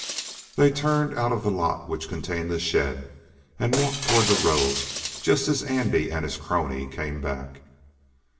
They turned out of the lot which contained the shed, and walked toward the road, just as Andy and his crony came back.